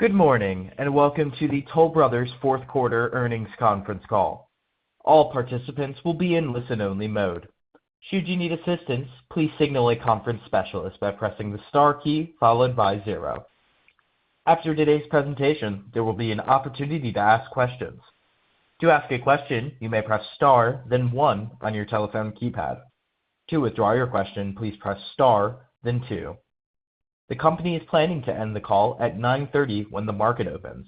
Good morning, and welcome to the Toll Brothers' fourth quarter earnings conference call. All participants will be in listen-only mode. Should you need assistance, please signal a conference specialist by pressing the star key followed by zero. After today's presentation, there will be an opportunity to ask questions. To ask a question, you may press star then one on your telephone keypad. To withdraw your question, please press star then two. The company is planning to end the call at 9:30 A.M. when the market opens.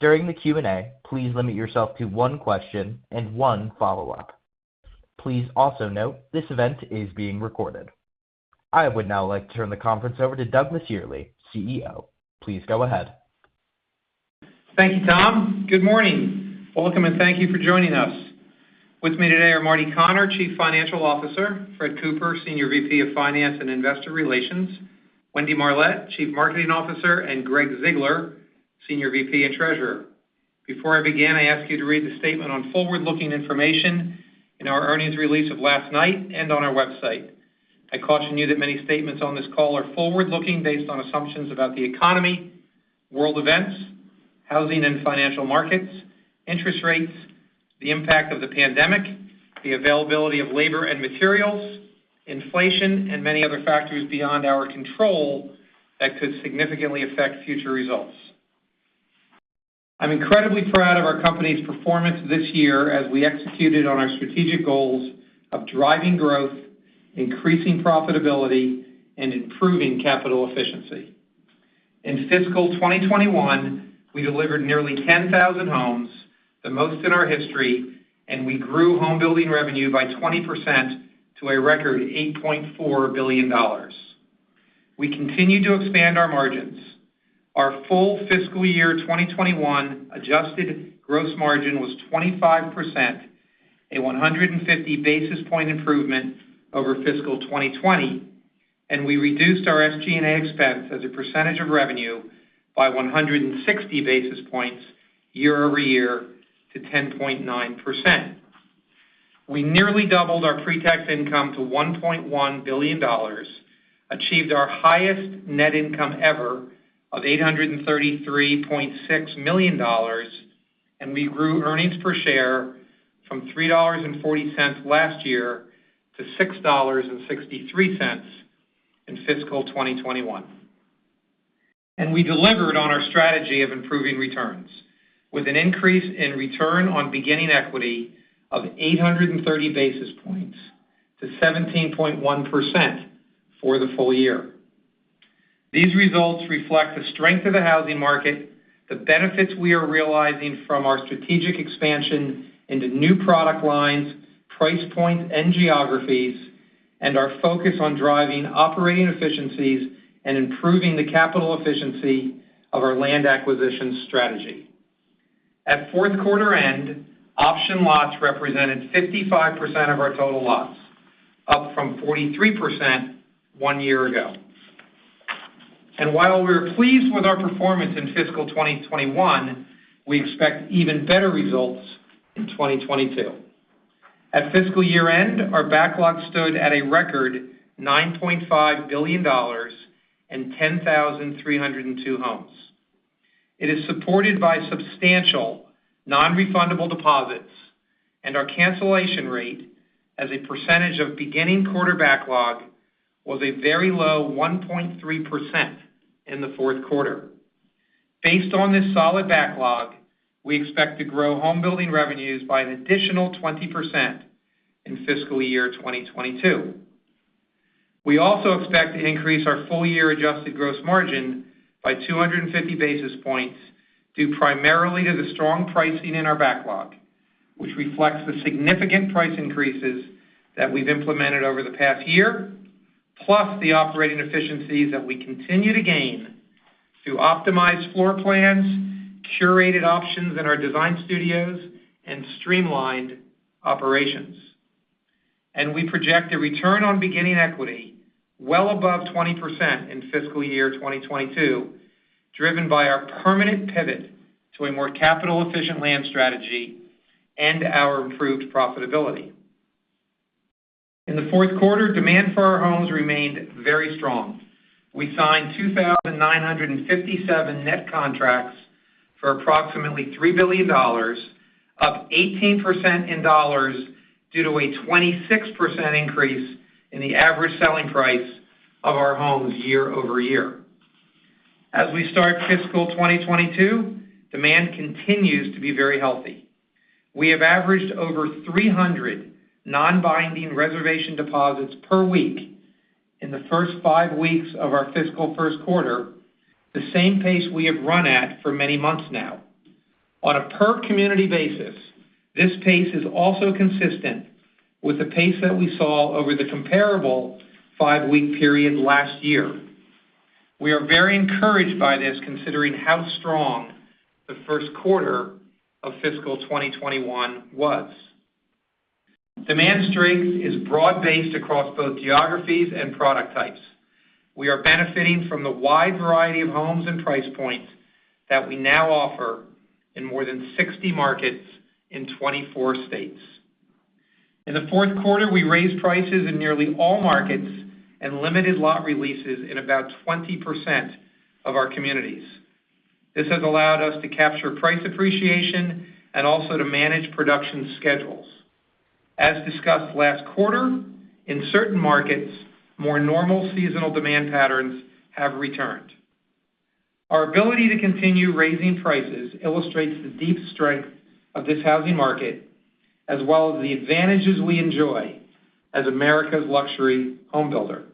During the Q&A, please limit yourself to one question and one follow-up. Please also note this event is being recorded. I would now like to turn the conference over to Douglas Yearley, CEO. Please go ahead. Thank you, Tom. Good morning. Welcome, and thank you for joining us. With me today are Marty Connor, Chief Financial Officer, Fred Cooper, Senior VP of Finance and Investor Relations, Wendy Marlett, Chief Marketing Officer, and Gregg Ziegler, Senior VP and Treasurer. Before I begin, I ask you to read the statement on forward-looking information in our earnings release of last night and on our website. I caution you that many statements on this call are forward-looking based on assumptions about the economy, world events, housing and financial markets, interest rates, the impact of the pandemic, the availability of labor and materials, inflation, and many other factors beyond our control that could significantly affect future results. I'm incredibly proud of our company's performance this year as we executed on our strategic goals of driving growth, increasing profitability, and improving capital efficiency. In fiscal 2021, we delivered nearly 10,000 homes, the most in our history, and we grew home building revenue by 20% to a record $8.4 billion. We continue to expand our margins. Our full-fiscal-year 2021 adjusted gross margin was 25%, a 150 basis point improvement over fiscal 2020, and we reduced our SG&A expense as a percentage of revenue by 160 basis points year-over-year to 10.9%. We nearly doubled our pre-tax income to $1.1 billion, achieved our highest net income ever of $833.6 million, and we grew earnings per share from $3.40 last year to $6.63 in fiscal 2021. We delivered on our strategy of improving returns with an increase in return on beginning equity of 830 basis points to 17.1% for the full-year. These results reflect the strength of the housing market, the benefits we are realizing from our strategic expansion into new product lines, price points, and geographies, and our focus on driving operating efficiencies and improving the capital efficiency of our land acquisition strategy. At fourth quarter end, option lots represented 55% of our total lots, up from 43% one year ago. While we are pleased with our performance in fiscal 2021, we expect even better results in 2022. At fiscal year-end, our backlog stood at a record $9.5 billion and 10,302 homes. It is supported by substantial nonrefundable deposits, and our cancellation rate as a percentage of beginning quarter backlog was a very low 1.3% in the fourth quarter. Based on this solid backlog, we expect to grow home building revenues by an additional 20% in fiscal year 2022. We also expect to increase our full-year adjusted gross margin by 250 basis points due primarily to the strong pricing in our backlog, which reflects the significant price increases that we've implemented over the past year, plus the operating efficiencies that we continue to gain through optimized floor plans, curated options in our Design Studios, and streamlined operations. We project a return on beginning equity well above 20% in fiscal year 2022, driven by our permanent pivot to a more capital-efficient land strategy and our improved profitability. In the fourth quarter, demand for our homes remained very strong. We signed 2,957 net contracts for approximately $3 billion, up 18% in dollars due to a 26% increase in the average selling price of our homes year over year. As we start fiscal 2022, demand continues to be very healthy. We have averaged over 300 non-binding reservation deposits per week in the first five weeks of our fiscal first quarter, the same pace we have run at for many months now. On a per community basis, this pace is also consistent with the pace that we saw over the comparable five-week period last year. We are very encouraged by this, considering how strong the first quarter of fiscal 2021 was. Demand strength is broad-based across both geographies and product types. We are benefiting from the wide variety of homes and price points that we now offer in more than 60 markets in 24 states. In the fourth quarter, we raised prices in nearly all markets and limited lot releases in about 20% of our communities. This has allowed us to capture price appreciation and also to manage production schedules. As discussed last quarter, in certain markets, more normal seasonal demand patterns have returned. Our ability to continue raising prices illustrates the deep strength of this housing market, as well as the advantages we enjoy as America's luxury home builder.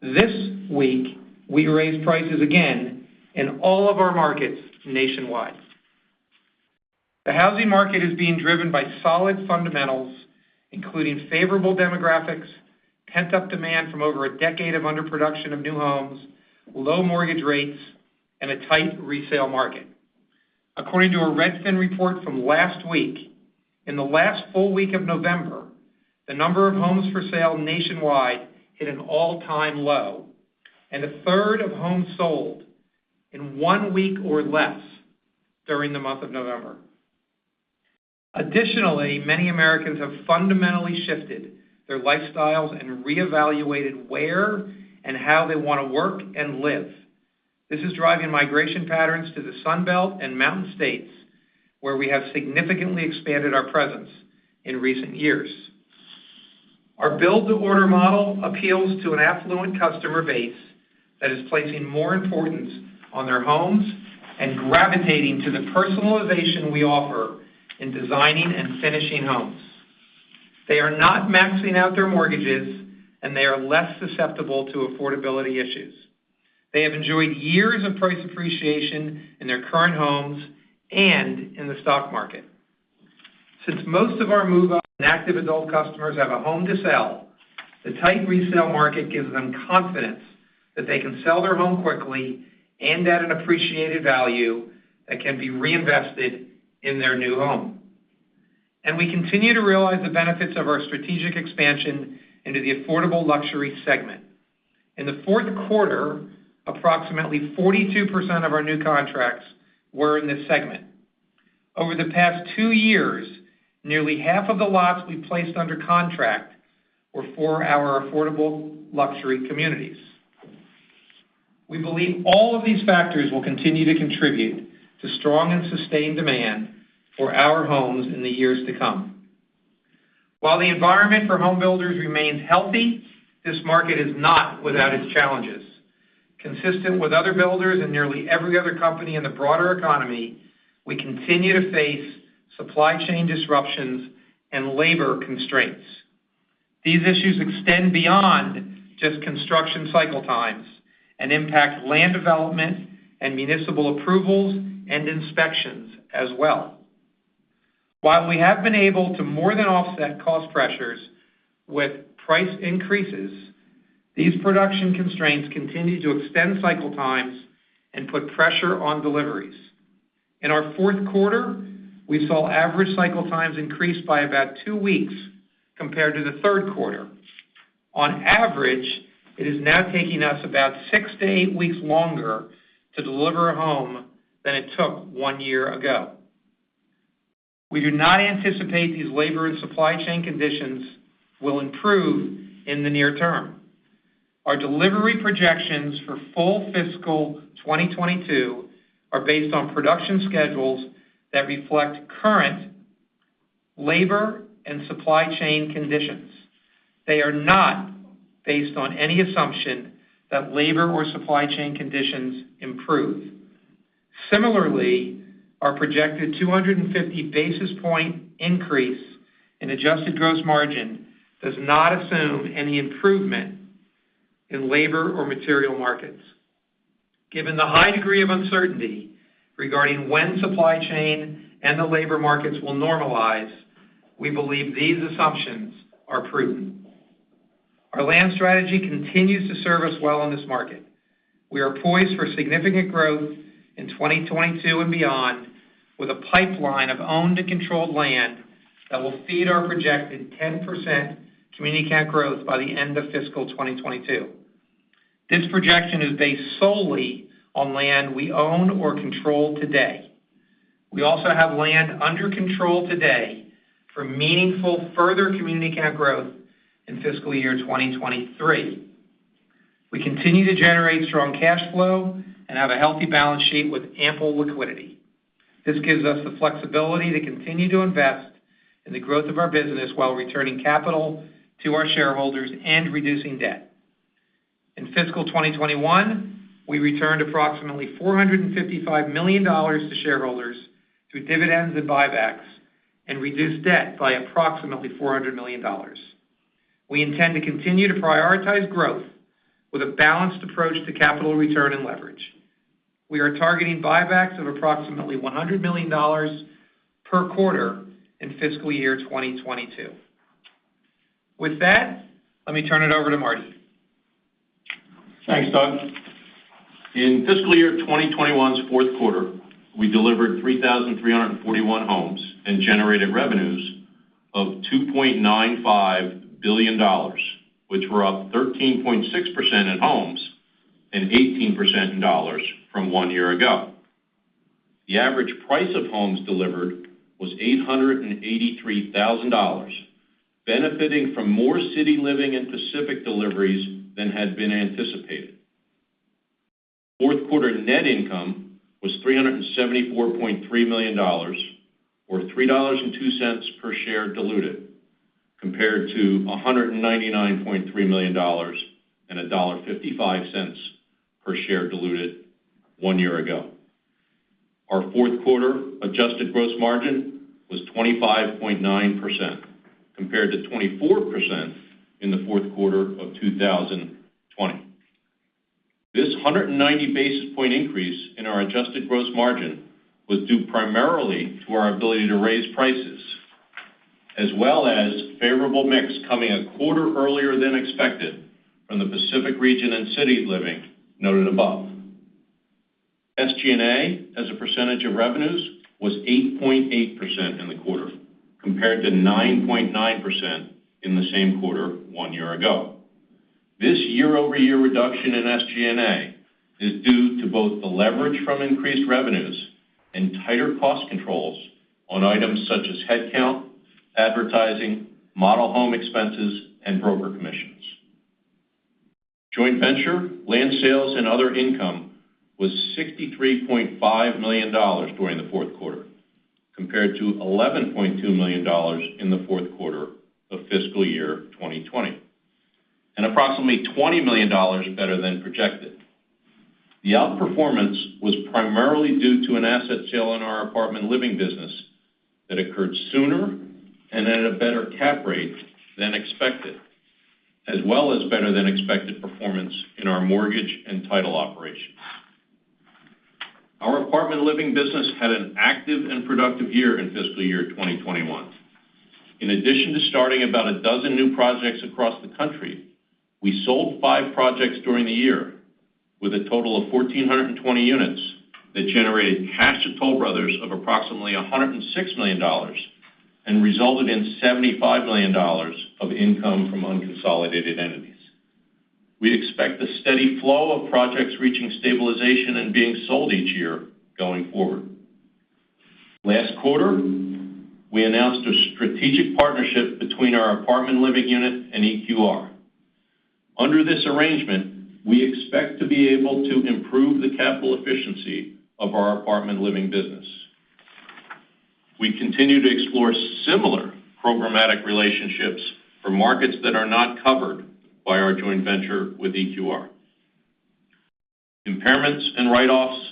This week, we raised prices again in all of our markets nationwide. The housing market is being driven by solid fundamentals, including favorable demographics, pent-up demand from over a decade of underproduction of new homes, low mortgage rates, and a tight resale market. According to a Redfin report from last week, in the last full-week of November, the number of homes for sale nationwide hit an all-time low, and a third of homes sold in one week or less during the month of November. Additionally, many Americans have fundamentally shifted their lifestyles and reevaluated where and how they wanna work and live. This is driving migration patterns to the Sun Belt and Mountain States, where we have significantly expanded our presence in recent years. Our build-to-order model appeals to an affluent customer base that is placing more importance on their homes and gravitating to the personalization we offer in designing and finishing homes. They are not maxing out their mortgages, and they are less susceptible to affordability issues. They have enjoyed years of price appreciation in their current homes and in the stock market. Since most of our move-up and active adult customers have a home to sell, the tight resale market gives them confidence that they can sell their home quickly and at an appreciated value that can be reinvested in their new home. We continue to realize the benefits of our strategic expansion into the affordable luxury segment. In the fourth quarter, approximately 42% of our new contracts were in this segment. Over the past two years, nearly half of the lots we placed under contract were for our affordable luxury communities. We believe all of these factors will continue to contribute to strong and sustained demand for our homes in the years to come. While the environment for home builders remains healthy, this market is not without its challenges. Consistent with other builders and nearly every other company in the broader economy, we continue to face supply chain disruptions and labor constraints. These issues extend beyond just construction cycle times and impact land development and municipal approvals and inspections as well. While we have been able to more than offset cost pressures with price increases, these production constraints continue to extend cycle times and put pressure on deliveries. In our fourth quarter, we saw average cycle times increase by about two weeks compared to the third quarter. On average, it is now taking us about six to eight weeks longer to deliver a home than it took one year ago. We do not anticipate these labor and supply chain conditions will improve in the near term. Our delivery projections for full fiscal 2022 are based on production schedules that reflect current labor and supply chain conditions. They are not based on any assumption that labor or supply chain conditions improve. Similarly, our projected 250 basis point increase in adjusted gross margin does not assume any improvement in labor or material markets. Given the high degree of uncertainty regarding when supply chain and the labor markets will normalize, we believe these assumptions are prudent. Our land strategy continues to serve us well in this market. We are poised for significant growth in 2022 and beyond, with a pipeline of owned and controlled land that will feed our projected 10% community count growth by the end of fiscal 2022. This projection is based solely on land we own or control today. We also have land under control today for meaningful further community count growth in fiscal year 2023. We continue to generate strong cash flow and have a healthy balance sheet with ample liquidity. This gives us the flexibility to continue to invest in the growth of our business while returning capital to our shareholders and reducing debt. In fiscal 2021, we returned approximately $455 million to shareholders through dividends and buybacks and reduced debt by approximately $400 million. We intend to continue to prioritize growth with a balanced approach to capital return and leverage. We are targeting buybacks of approximately $100 million per quarter in fiscal year 2022. With that, let me turn it over to Marty. Thanks, Doug. In fiscal year 2021's fourth quarter, we delivered 3,341 homes and generated revenues of $2.95 billion, which were up 13.6% in homes and 18% in dollars from one year ago. The average price of homes delivered was $883,000, benefiting from more City Living in Pacific deliveries than had been anticipated. Fourth quarter net income was $374.3 million or $3.02 per share diluted, compared to $199.3 million and $1.55 per share diluted one year ago. Our fourth quarter adjusted gross margin was 25.9% compared to 24% in the fourth quarter of 2020. This 190 basis point increase in our adjusted gross margin was due primarily to our ability to raise prices as well as favorable mix coming a quarter earlier than expected from the Pacific region and City Living noted above. SG&A as a percentage of revenues was 8.8% in the quarter compared to 9.9% in the same quarter one year ago. This year-over-year reduction in SG&A is due to both the leverage from increased revenues and tighter cost controls on items such as headcount, advertising, model home expenses, and broker commissions. Joint venture, land sales, and other income was $63.5 million during the fourth quarter compared to $11.2 million in the fourth quarter of fiscal year 2020, and approximately $20 million better than projected. The outperformance was primarily due to an asset sale in our Apartment Living business that occurred sooner and at a better cap rate than expected, as well as better than expected performance in our mortgage and title operations. Our Apartment Living business had an active and productive year in fiscal year 2021. In addition to starting about a dozen new projects across the country, we sold five projects during the year with a total of 1,420 units that generated cash to Toll Brothers of approximately $106 million and resulted in $75 million of income from unconsolidated entities. We expect a steady flow of projects reaching stabilization and being sold each year going forward. Last quarter, we announced a strategic partnership between our Apartment Living unit and EQR. Under this arrangement, we expect to be able to improve the capital efficiency of our Apartment Living business. We continue to explore similar programmatic relationships for markets that are not covered by our joint venture with EQR. Impairments and write-offs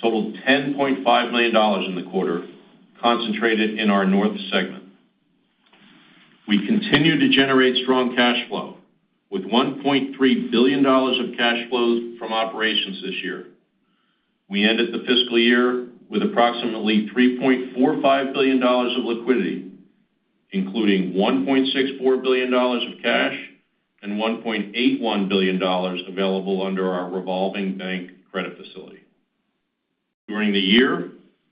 totaled $10.5 million in the quarter, concentrated in our North segment. We continue to generate strong cash flow with $1.3 billion of cash flows from operations this year. We ended the fiscal year with approximately $3.45 billion of liquidity, including $1.64 billion of cash and $1.81 billion available under our revolving bank credit facility. During the year,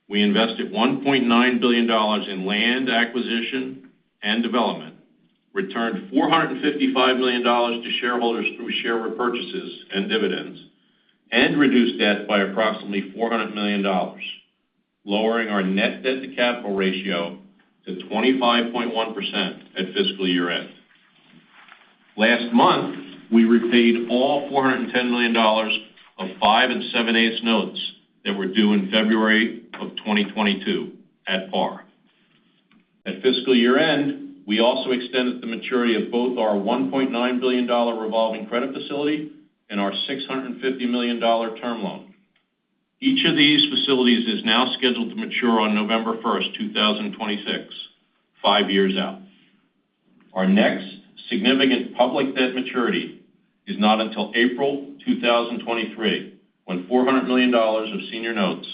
we invested $1.9 billion in land acquisition and development, returned $455 million to shareholders through share repurchases and dividends, and reduced debt by approximately $400 million, lowering our net debt to capital ratio to 25.1% at fiscal year-end. Last month, we repaid all $410 million of 5 7/8 notes that were due in February 2022 at par. At fiscal year-end, we also extended the maturity of both our $1.9 billion revolving credit facility and our $650 million term loan. Each of these facilities is now scheduled to mature on November 1st, 2026, five years out. Our next significant public debt maturity is not until April 2023, when $400 million of senior notes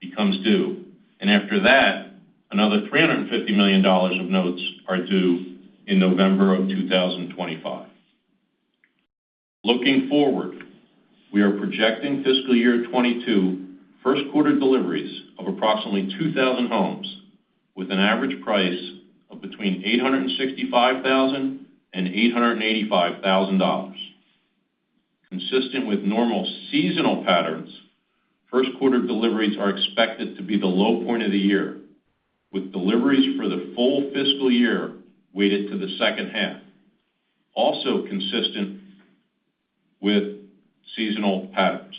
becomes due. After that, another $350 million of notes are due in November 2025. Looking forward, we are projecting fiscal year 2022 first quarter deliveries of approximately 2,000 homes with an average price of between $865,000 and $885,000. Consistent with normal seasonal patterns, first quarter deliveries are expected to be the low point of the year, with deliveries for the full fiscal year weighted to the second half, also consistent with seasonal patterns.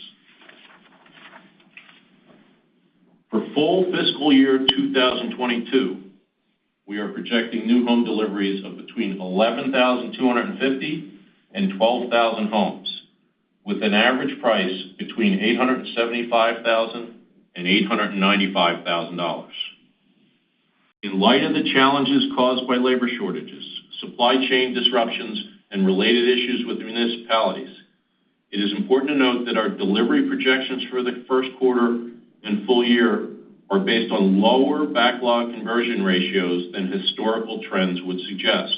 For full fiscal year 2022, we are projecting new home deliveries of between 11,250 and 12,000 homes, with an average price between $875,000 and $895,000. In light of the challenges caused by labor shortages, supply chain disruptions, and related issues with municipalities, it is important to note that our delivery projections for the first quarter and full-year are based on lower backlog conversion ratios than historical trends would suggest.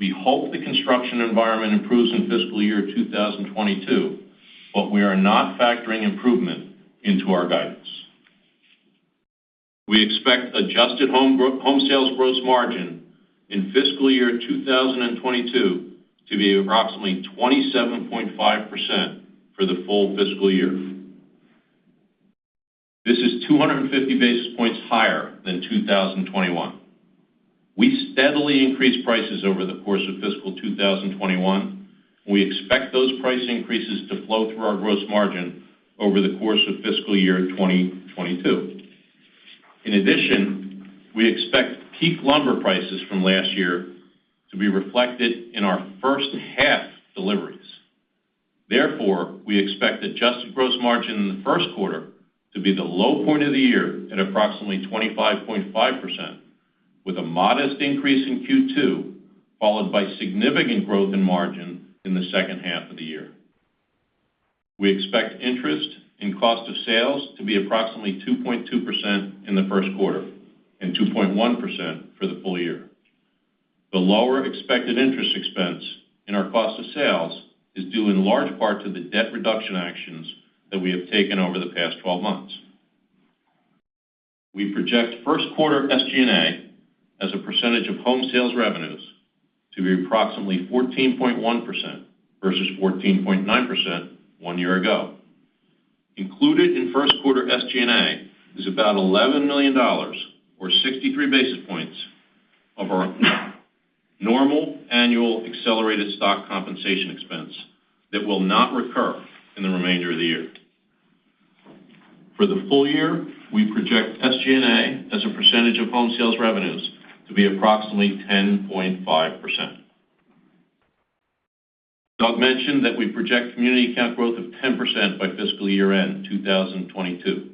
We hope the construction environment improves in fiscal year 2022, but we are not factoring improvement into our guidance. We expect adjusted home sales gross margin in fiscal year 2022 to be approximately 27.5% for the full-fiscal-year. This is 250 basis points higher than 2021. We steadily increased prices over the course of fiscal 2021. We expect those price increases to flow through our gross margin over the course of fiscal year 2022. In addition, we expect peak lumber prices from last year to be reflected in our first half deliveries. Therefore, we expect adjusted gross margin in the first quarter to be the low point of the year at approximately 25.5%, with a modest increase in Q2, followed by significant growth in margin in the second half of the year. We expect interest in cost of sales to be approximately 2.2% in the first quarter and 2.1% for the full-year. The lower expected interest expense in our cost of sales is due in large part to the debt reduction actions that we have taken over the past 12 months. We project first quarter SG&A as a percentage of home sales revenues to be approximately 14.1% versus 14.9% one year ago. Included in first quarter SG&A is about $11 million or 63 basis points of our normal annual accelerated stock compensation expense that will not recur in the remainder of the year. For the full-year, we project SG&A as a percentage of home sales revenues to be approximately 10.5%. Doug mentioned that we project community count growth of 10% by fiscal year-end 2022.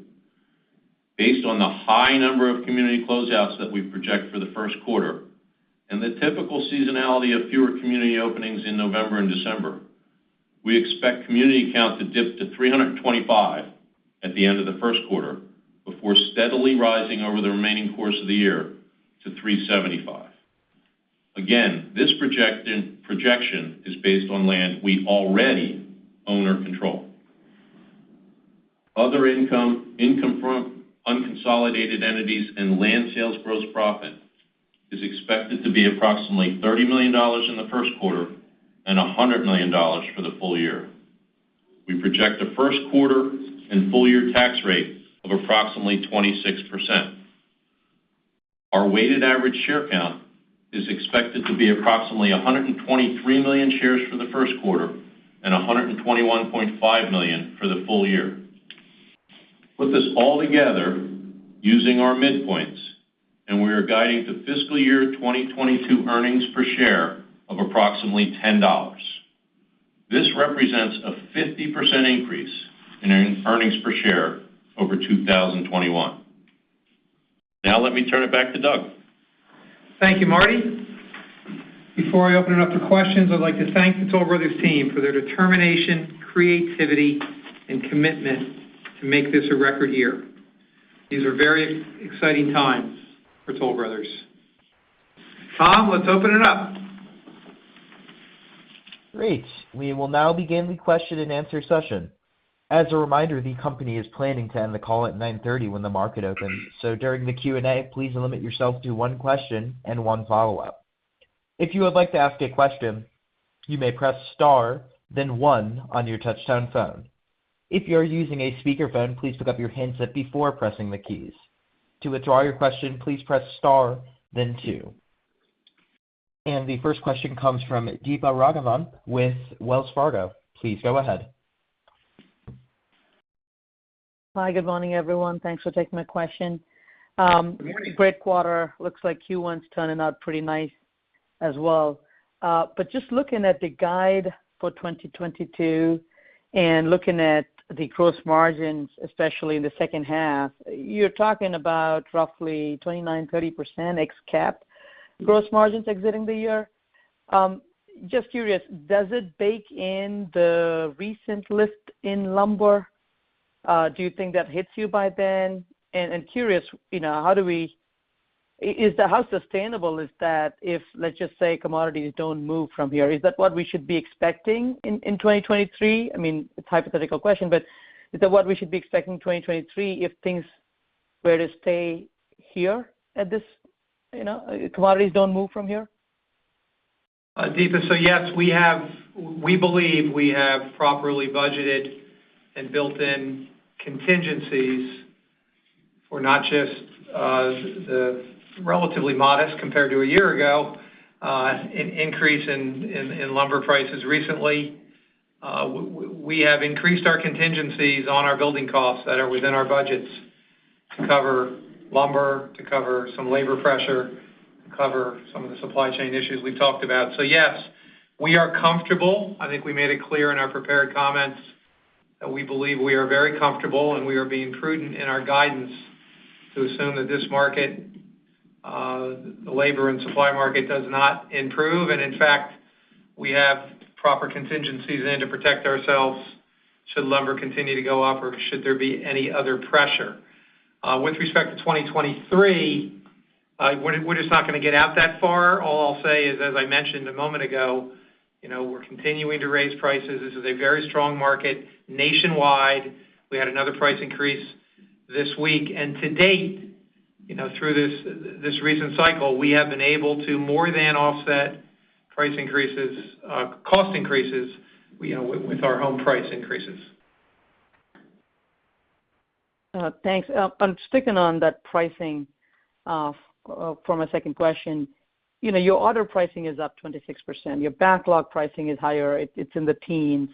Based on the high number of community closeouts that we project for the first quarter and the typical seasonality of fewer community openings in November and December, we expect community count to dip to 325 at the end of the first quarter before steadily rising over the remaining course of the year to 375. Again, this projection is based on land we already own or control. Other income from unconsolidated entities and land sales gross profit is expected to be approximately $30 million in the first quarter and $100 million for the full-year. We project a first quarter and full-year tax rate of approximately 26%. Our weighted average share count is expected to be approximately 123 million shares for the first quarter and 121.5 million for the full-year. Put this all together using our midpoints, and we are guiding to fiscal year 2022 earnings per share of approximately $10. This represents a 50% increase in earnings per share over 2021. Now let me turn it back to Doug. Thank you, Marty. Before I open it up to questions, I'd like to thank the Toll Brothers team for their determination, creativity, and commitment to make this a record year. These are very exciting times for Toll Brothers. Tom, let's open it up. Great. We will now begin the question-and-answer session. As a reminder, the company is planning to end the call at 9:30 A.M. when the market opens. During the Q&A, please limit yourself to one question and one follow-up. If you would like to ask a question, you may press star then one on your touchtone phone. If you're using a speakerphone, please pick up your handset before pressing the keys. To withdraw your question, please press star then two. The first question comes from Deepa Raghavan with Wells Fargo. Please go ahead. Hi, good morning, everyone. Thanks for taking my question. Great quarter. Looks like Q1 is turning out pretty nice as well. But just looking at the guide for 2022 and looking at the gross margins, especially in the second half, you're talking about roughly 29%-30% ex cap gross margins exiting the year. Just curious, does it bake in the recent lift in lumber? Do you think that hits you by then? Curious, you know, how sustainable is that if, let's just say, commodities don't move from here? Is that what we should be expecting in 2023? I mean, it's a hypothetical question, but is that what we should be expecting 2023, if things were to stay here at this, you know, commodities don't move from here? Deepa, yes, we believe we have properly budgeted and built in contingencies for not just the relatively modest, compared to a year ago, increase in lumber prices recently. We have increased our contingencies on our building costs that are within our budgets to cover lumber, to cover some labor pressure, to cover some of the supply chain issues we've talked about. Yes, we are comfortable. I think we made it clear in our prepared comments that we believe we are very comfortable, and we are being prudent in our guidance to assume that this market, the labor and supply market does not improve. In fact, we have proper contingencies in to protect ourselves should lumber continue to go up or should there be any other pressure. With respect to 2023, we're just not gonna get out that far. All I'll say is, as I mentioned a moment ago, you know, we're continuing to raise prices. This is a very strong market nationwide. We had another price increase this week. To date, you know, through this recent cycle, we have been able to more than offset price increases, cost increases, you know, with our home price increases. Thanks. I'm sticking on that pricing for my second question. You know, your order pricing is up 26%. Your backlog pricing is higher, it's in the teens.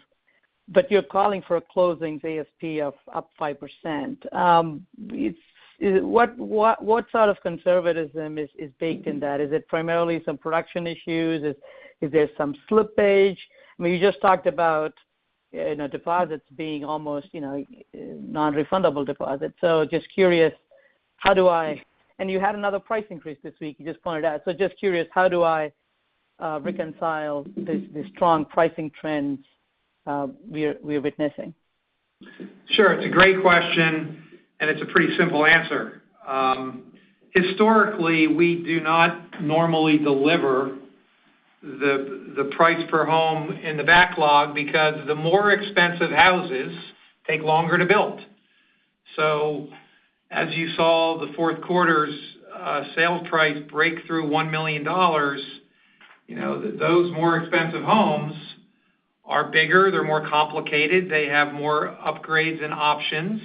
But you're calling for a closings ASP of up 5%. What sort of conservatism is baked in that? Is it primarily some production issues? Is there some slippage? I mean, you just talked about, you know, deposits being almost, you know, non-refundable deposits. Just curious, how do I... And you had another price increase this week, you just pointed out. Just curious, how do I reconcile the strong pricing trends we're witnessing? Sure. It's a great question, and it's a pretty simple answer. Historically, we do not normally deliver the price per home in the backlog because the more expensive houses take longer to build. As you saw the fourth quarter's sales price break through $1 million, you know, those more expensive homes are bigger, they're more complicated, they have more upgrades and options,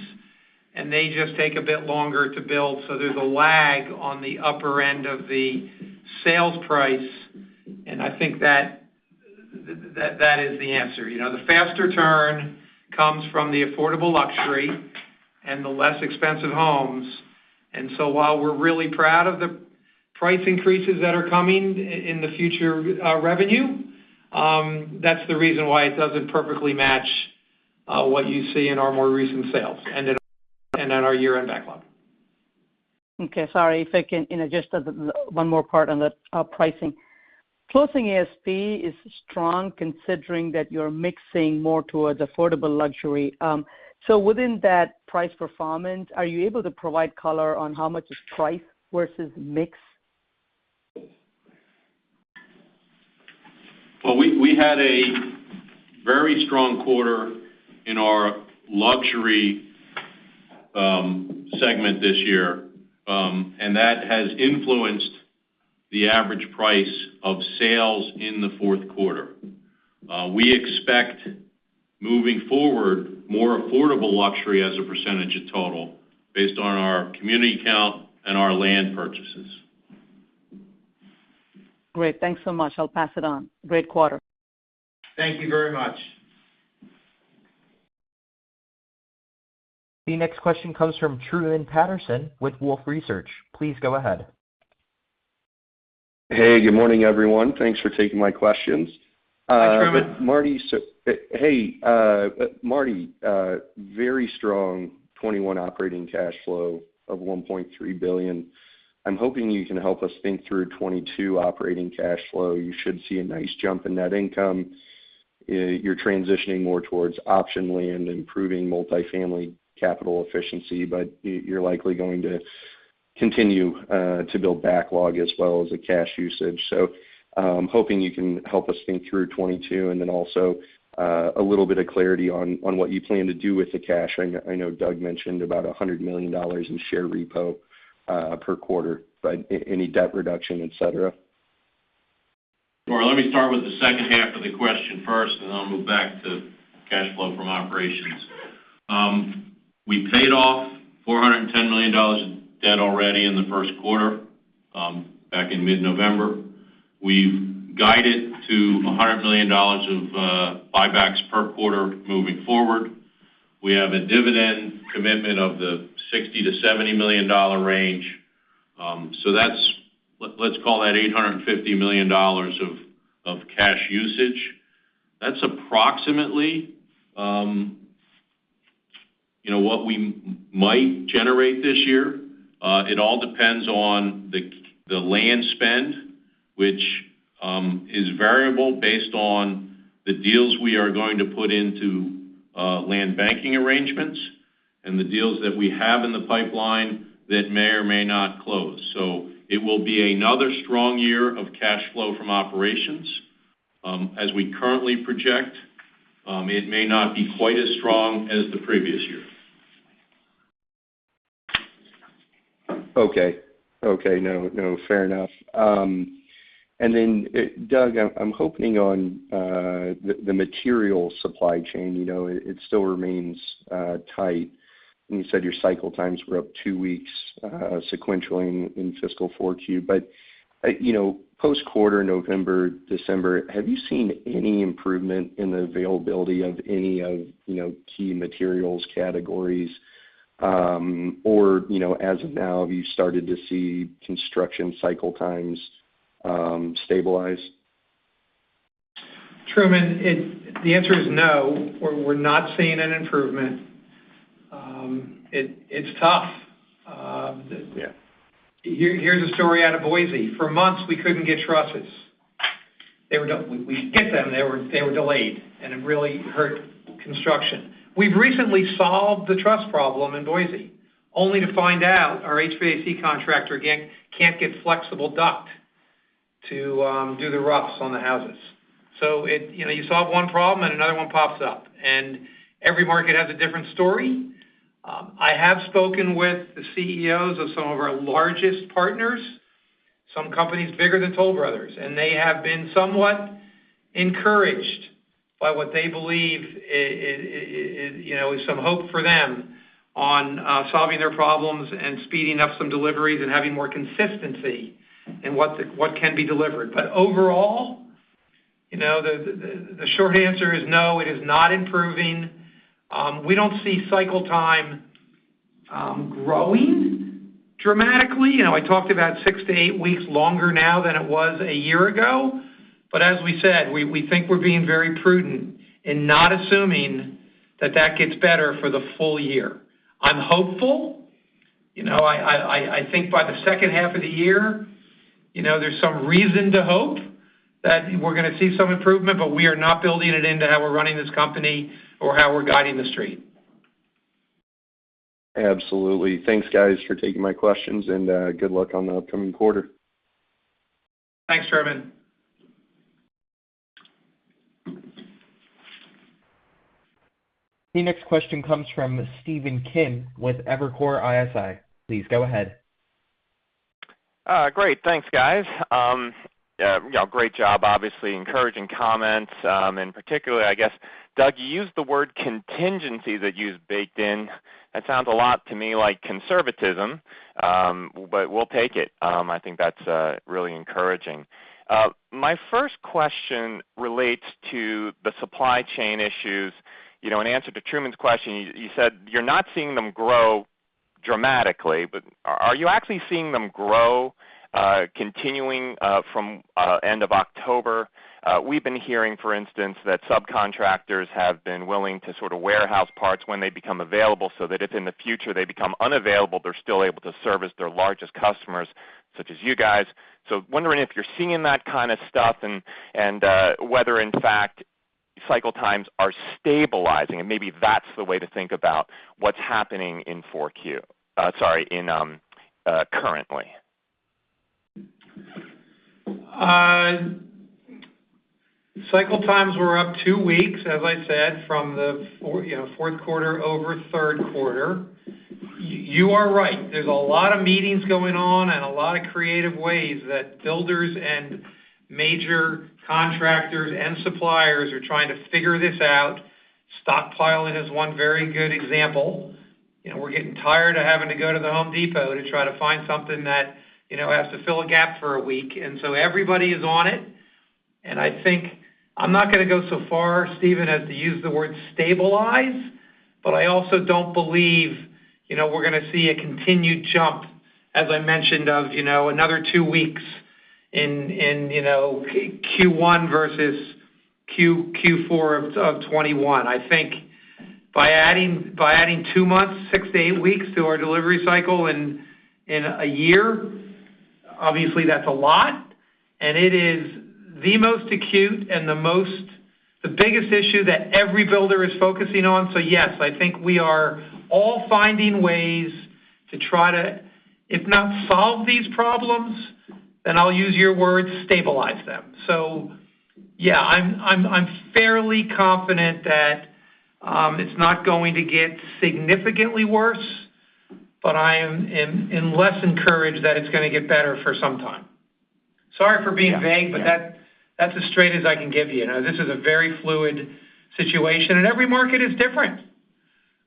and they just take a bit longer to build. There's a lag on the upper end of the sales price, and I think that is the answer. You know, the faster turn comes from the affordable luxury and the less expensive homes. While we're really proud of the price increases that are coming in the future, revenue, that's the reason why it doesn't perfectly match what you see in our more recent sales and in our year-end backlog. Okay. Sorry. If I can, you know, just one more part on the pricing. Closing ASP is strong considering that you're mixing more towards affordable luxury. So within that price performance, are you able to provide color on how much is price versus mix? Well, we had a very strong quarter in our luxury segment this year, and that has influenced the average price of sales in the fourth quarter. We expect moving forward, more Affordable Luxury as a percentage of total based on our community count and our land purchases. Great. Thanks so much. I'll pass it on. Great quarter. Thank you very much. The next question comes from Truman Patterson with Wolfe Research. Please go ahead. Hey, good morning, everyone. Thanks for taking my questions. Thanks, Truman. Marty, hey, Marty, very strong 2021 operating cash flow of $1.3 billion. I'm hoping you can help us think through 2022 operating cash flow. You should see a nice jump in net income. You're transitioning more towards option land, improving multi-family capital efficiency, but you're likely going to continue to build backlog as well as cash usage. Hoping you can help us think through 2022 and then also a little bit of clarity on what you plan to do with the cash. I know Doug mentioned about $100 million in share repo per quarter, but any debt reduction, et cetera. Well, let me start with the second half of the question first, and then I'll move back to cash flow from operations. We paid off $410 million of debt already in the first quarter, back in mid-November. We've guided to $100 million of buybacks per quarter moving forward. We have a dividend commitment of the $60 million-$70 million range. So that's, let's call that $850 million of cash usage. That's approximately, you know, what we might generate this year. It all depends on the land spend, which is variable based on the deals we are going to put into land banking arrangements and the deals that we have in the pipeline that may or may not close. It will be another strong year of cash flow from operations. As we currently project, it may not be quite as strong as the previous year. Okay. No, fair enough. Doug, I'm hoping on the material supply chain, you know, it still remains tight. You said your cycle times were up two weeks sequentially in fiscal Q4. Post-quarter, November, December, have you seen any improvement in the availability of any of key materials categories? Or, as of now, have you seen construction cycle times stabilize? Truman, the answer is no. We're not seeing an improvement. It's tough. Here's a story out of Boise. For months, we couldn't get trusses. They were done. We get them. They were delayed and it really hurt construction. We've recently solved the truss problem in Boise only to find out our HVAC contractor, again, can't get flexible duct to do the roughs on the houses. You know, you solve one problem and another one pops up, and every market has a different story. I have spoken with the CEOs of some of our largest partners, some companies bigger than Toll Brothers, and they have been somewhat encouraged by what they believe you know, is some hope for them on solving their problems and speeding up some deliveries and having more consistency in what can be delivered. Overall, you know, the short answer is no, it is not improving. We don't see cycle time growing dramatically. You know, I talked about six-eight weeks longer now than it was a year ago. But as we said, we think we're being very prudent in not assuming that that gets better for the full-year. I'm hopeful. You know, I think by the second half of the year, you know, there's some reason to hope that we're gonna see some improvement, but we are not building it into how we're running this company or how we're guiding the street. Absolutely. Thanks, guys, for taking my questions, and good luck on the upcoming quarter. Thanks, Truman. The next question comes from Stephen Kim with Evercore ISI. Please go ahead. Great. Thanks, guys. Yeah, great job. Obviously, encouraging comments. Particularly, I guess, Doug, you used the word contingency that you've baked in. That sounds a lot to me like conservatism, but we'll take it. I think that's really encouraging. My first question relates to the supply chain issues. You know, in answer to Truman's question, you said you're not seeing them grow dramatically, but are you actually seeing them grow, continuing from end of October? We've been hearing, for instance, that subcontractors have been willing to sort of warehouse parts when they become available so that if in the future they become unavailable, they're still able to service their largest customers, such as you guys. Wondering if you're seeing that kind of stuff and whether in fact cycle times are stabilizing, and maybe that's the way to think about what's happening in Q4 currently. Cycle times were up two weeks, as I said, from the fourth quarter over third quarter. You are right. There's a lot of meetings going on and a lot of creative ways that builders and major contractors and suppliers are trying to figure this out. Stockpiling is one very good example. You know, we're getting tired of having to go to The Home Depot to try to find something that, you know, has to fill a gap for a week. Everybody is on it, and I think I'm not gonna go so far, Stephen, as to use the word stabilize, but I also don't believe, you know, we're gonna see a continued jump, as I mentioned, of, you know, another two weeks in Q1 versus Q4 of 2021. I think by adding two months, six-eight weeks to our delivery cycle in a year, obviously that's a lot, and it is the most acute and the biggest issue that every builder is focusing on. Yes, I think we are all finding ways to try to, if not solve these problems, then I'll use your words, stabilize them. Yeah, I'm fairly confident that it's not going to get significantly worse, but I'm less encouraged that it's gonna get better for some time. Sorry for being vague. Yeah. That's as straight as I can give you. Now, this is a very fluid situation, and every market is different.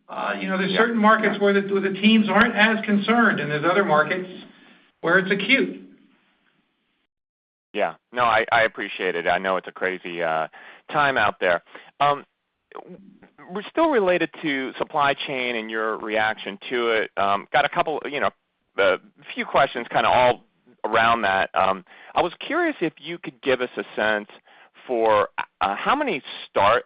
Yeah. There's certain markets where the teams aren't as concerned, and there's other markets where it's acute. I appreciate it. I know it's a crazy time out there. We're still relating to supply chain and your reaction to it. Got a couple, you know, a few questions kinda all around that. I was curious if you could give us a sense for how many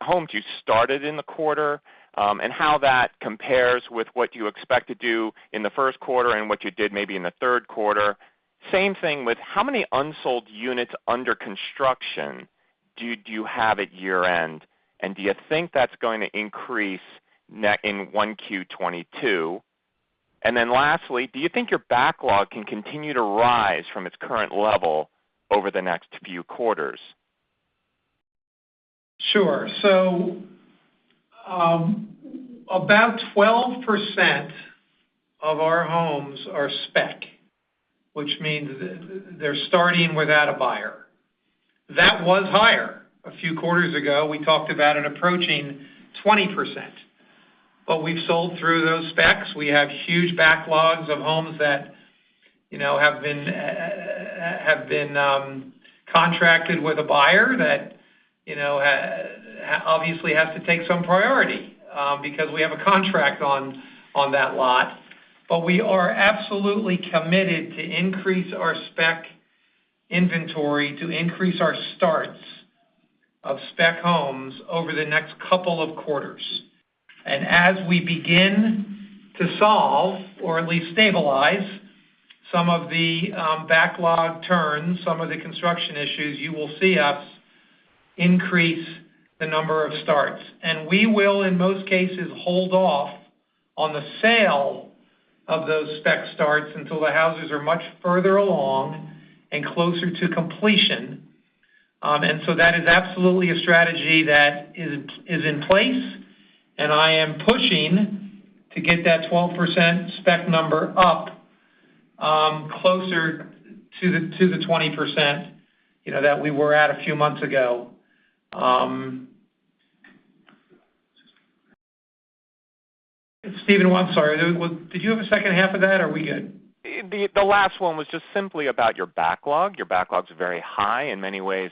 homes you started in the quarter, and how that compares with what you expect to do in the first quarter and what you did maybe in the third quarter. Same thing with how many unsold units under construction do you have at year-end, and do you think that's going to increase net in Q1 2022? Then lastly, do you think your backlog can continue to rise from its current level over the next few quarters? Sure. About 12% of our homes are spec, which means they're starting without a buyer. That was higher. A few quarters ago, we talked about it approaching 20%. We've sold through those specs. We have huge backlogs of homes that, you know, have been contracted with a buyer that, you know, obviously has to take some priority, because we have a contract on that lot. We are absolutely committed to increase our spec inventory, to increase our starts of spec homes over the next couple of quarters. As we begin to solve or at least stabilize some of the backlog turns, some of the construction issues, you will see us increase the number of starts. We will, in most cases, hold off on the sale of those spec starts until the houses are much further along and closer to completion. That is absolutely a strategy that is in place, and I am pushing to get that 12% spec number up, closer to the 20%, you know, that we were at a few months ago. Steven, I'm sorry. Did you have a second half of that, or are we good? The last one was just simply about your backlog. Your backlog's very high. In many ways,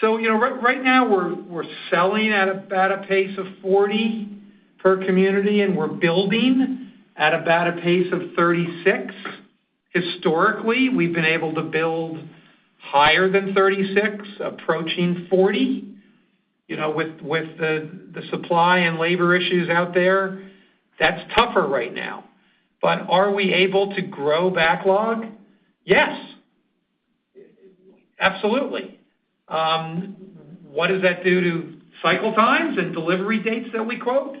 that’s a good thing. Oh, yeah. You know, right now we're selling at a pace of 40 per community, and we're building at about a pace of 36. Historically, we've been able to build higher than 36, approaching 40. You know, with the supply and labor issues out there, that's tougher right now. Are we able to grow backlog? Yes. Absolutely. What does that do to cycle times and delivery dates that we quote?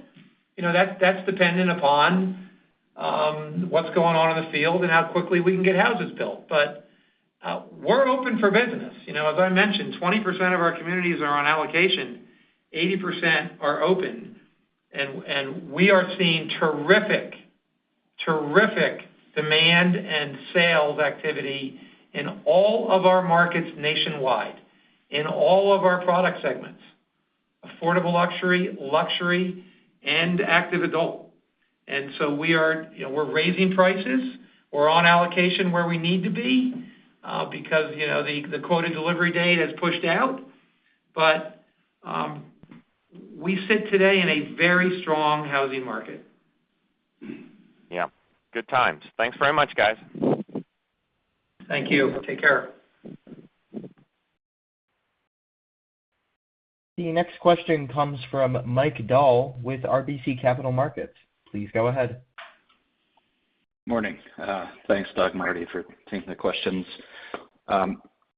You know, that's dependent upon what's going on in the field and how quickly we can get houses built. We're open for business. You know, as I mentioned, 20% of our communities are on allocation, 80% are open, and we are seeing terrific demand and sales activity in all of our markets nationwide, in all of our product segments, Affordable Luxury, and Active Adult. We are, you know, we're raising prices. We're on allocation where we need to be, because, you know, the quoted delivery date has pushed out. But we sit today in a very strong housing market. Yeah. Good times. Thanks very much, guys. Thank you. Take care. The next question comes from Mike Dahl with RBC Capital Markets. Please go ahead. Morning. Thanks, Doug and Marty, for taking the questions. I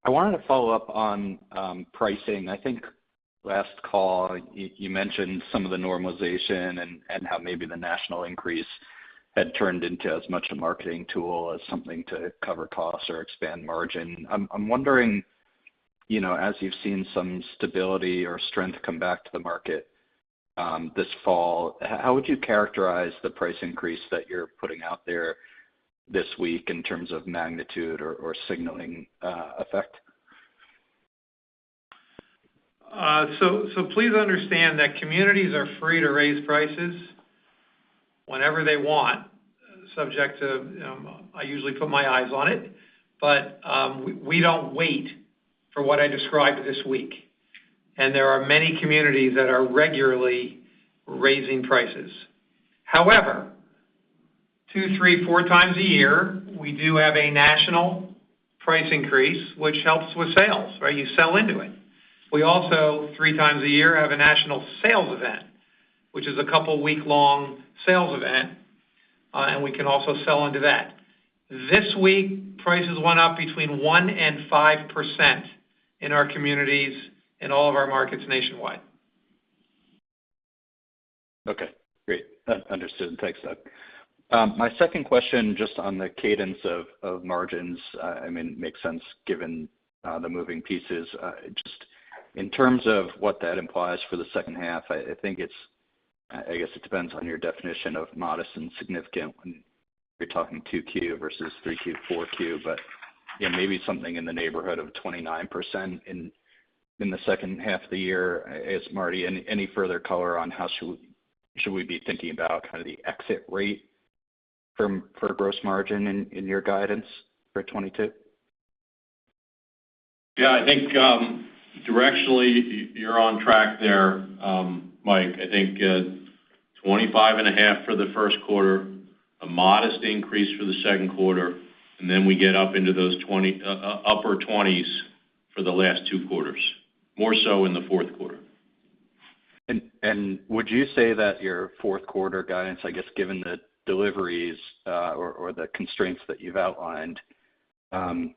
wanted to follow up on pricing. I think last call you mentioned some of the normalization and how maybe the national increase had turned into as much a marketing tool as something to cover costs or expand margin. I'm wondering, you know, as you've seen some stability or strength come back to the market this fall, how would you characterize the price increase that you're putting out there this week in terms of magnitude or signaling effect? Please understand that communities are free to raise prices whenever they want, subject to, I usually put my eyes on it. We don't wait for what I described this week, and there are many communities that are regularly raising prices. However, two, three, four times a year, we do have a national price increase, which helps with sales, right? You sell into it. We also, 3x a year, have a national sales event, which is a couple-week-long sales event, and we can also sell into that. This week, prices went up 1%-5% in our communities in all of our markets nationwide. Okay. Great. Understood. Thanks, Doug. My second question, just on the cadence of margins, I mean, makes sense given the moving pieces. Just in terms of what that implies for the second half, I think it's I guess it depends on your definition of modest and significant when you're talking 2Q versus 3Q, 4Q. You know, maybe something in the neighborhood of 29% in the second half of the year. I guess, Marty, any further color on how we should be thinking about kind of the exit rate for gross margin in your guidance for 2022? Yeah. I think, directionally you're on track there, Mike. I think, 25.5% for the first quarter, a modest increase for the second quarter, and then we get up into those upper 20's for the last two quarters, more so in the fourth quarter. Would you say that your fourth quarter guidance, I guess, given the deliveries, or the constraints that you've outlined, I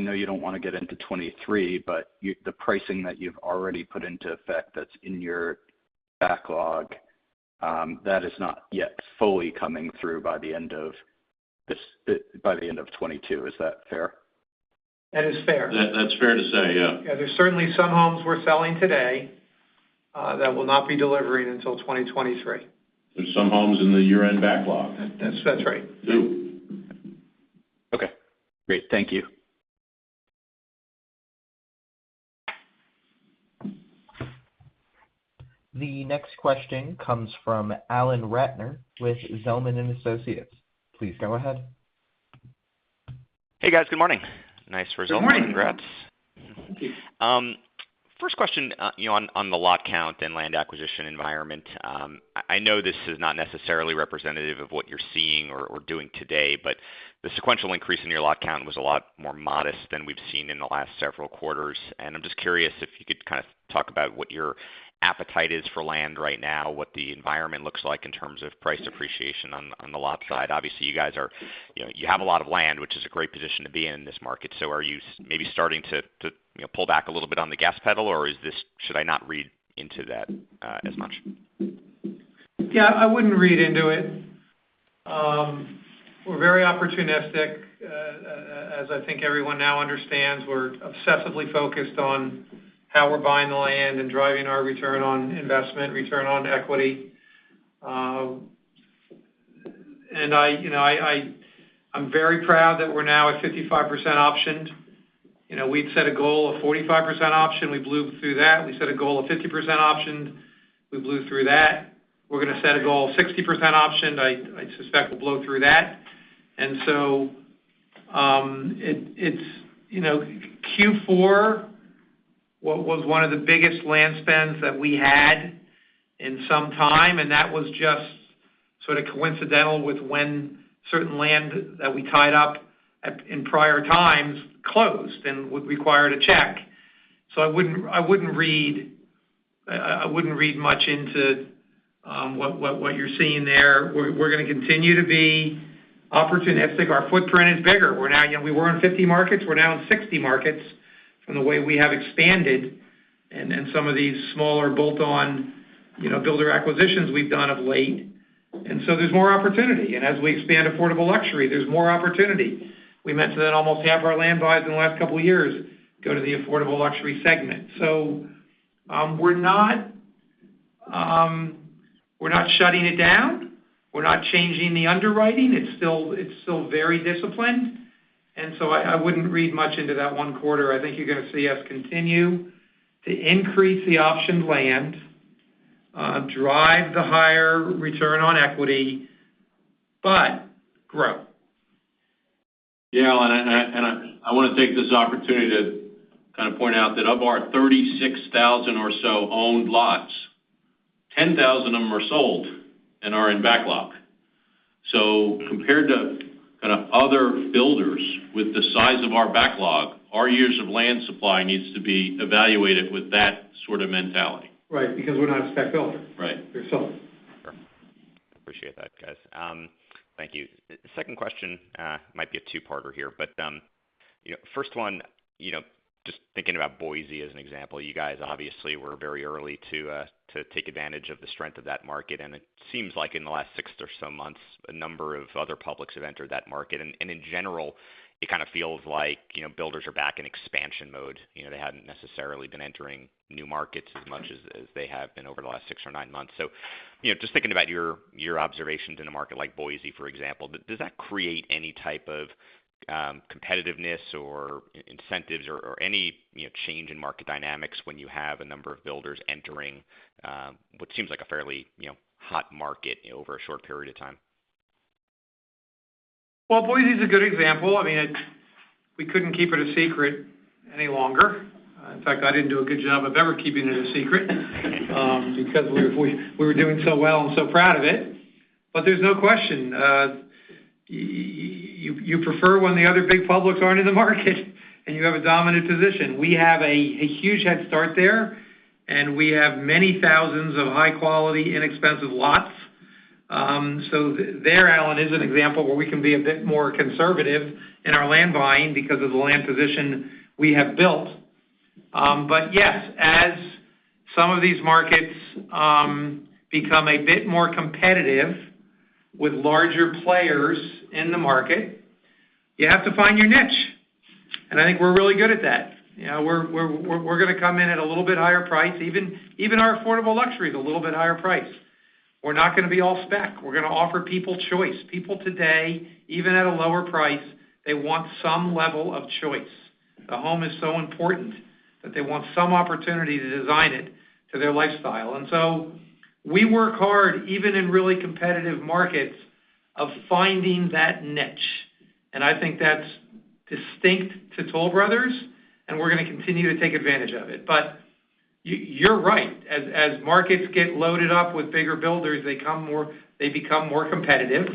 know you don't want to get into 2023, but the pricing that you've already put into effect that's in your backlog, that is not yet fully coming through by the end of 2022. Is that fair? That is fair. That, that's fair to say, yeah. Yeah. There's certainly some homes we're selling today that will not be delivering until 2023. There's some homes in the year-end backlog. That's right. Yeah. Okay. Great. Thank you. The next question comes from Alan Ratner with Zelman & Associates. Please go ahead. Hey, guys. Good morning. Nice results. Good morning. Congrats. Thank you. First question, you know, on the lot count and land acquisition environment. I know this is not necessarily representative of what you're seeing or doing today, but the sequential increase in your lot count was a lot more modest than we've seen in the last several quarters. I'm just curious if you could kind of talk about what your appetite is for land right now, what the environment looks like in terms of price appreciation on the lot side. Obviously, you guys are, you know, you have a lot of land, which is a great position to be in in this market. Are you maybe starting to, you know, pull back a little bit on the gas pedal, or is this, should I not read into that as much? Yeah, I wouldn't read into it. We're very opportunistic. As I think everyone now understands, we're obsessively focused on how we're buying the land and driving our return on investment, return on equity. You know, I'm very proud that we're now at 55% optioned. You know, we'd set a goal of 45% optioned. We blew through that. We set a goal of 50% optioned. We blew through that. We're gonna set a goal of 60% optioned. I suspect we'll blow through that. It's, you know, Q4 was one of the biggest land spends that we had in some time, and that was just sort of coincidental with when certain land that we tied up in prior times closed and would require to check. I wouldn't read much into what you're seeing there. We're gonna continue to be opportunistic. Our footprint is bigger. We're now, you know, we were in 50 markets, we're now in 60 markets from the way we have expanded and some of these smaller bolt-on, you know, builder acquisitions we've done of late. There's more opportunity. As we expand affordable luxury, there's more opportunity. We mentioned that almost half our land buys in the last couple of years go to the affordable luxury segment. We're not shutting it down. We're not changing the underwriting. It's still very disciplined, and I wouldn't read much into that one quarter. I think you're gonna see us continue to increase the optioned land, drive the higher return on equity, but grow. Yeah, I want to take this opportunity to kind of point out that of our 36,000 or so owned lots, 10,000 of them are sold and are in backlog. Compared to kind of other builders with the size of our backlog, our years of land supply needs to be evaluated with that sort of mentality. Right, because we're not a spec builder. Right. We're selling. Sure. Appreciate that, guys. Thank you. Second question, might be a two-parter here, but, you know, first one, you know, just thinking about Boise as an example. You guys obviously were very early to take advantage of the strength of that market, and it seems like in the last six or so months, a number of other publics have entered that market. In general, it kind of feels like, you know, builders are back in expansion mode. You know, they hadn't necessarily been entering new markets as much as they have been over the last six or nine months. You know, just thinking about your observations in a market like Boise, for example, does that create any type of competitiveness or incentives or any, you know, change in market dynamics when you have a number of builders entering what seems like a fairly, you know, hot market over a short period of time? Well, Boise is a good example. I mean, we couldn't keep it a secret any longer. In fact, I didn't do a good job of ever keeping it a secret, because we were doing so well. I'm so proud of it. There's no question, you prefer when the other big publics aren't in the market and you have a dominant position. We have a huge head start there, and we have many thousands of high-quality, inexpensive lots. So there, Alan, is an example where we can be a bit more conservative in our land buying because of the land position we have built. Yes, as some of these markets become a bit more competitive with larger players in the market, you have to find your niche, and I think we're really good at that. You know, we're gonna come in at a little bit higher price. Even our Affordable Luxury is a little bit higher price. We're not gonna be all spec. We're gonna offer people choice. People today, even at a lower price, they want some level of choice. The home is so important that they want some opportunity to design it to their lifestyle. We work hard, even in really competitive markets, of finding that niche. I think that's distinct to Toll Brothers, and we're gonna continue to take advantage of it. You're right. As markets get loaded up with bigger builders, they become more competitive,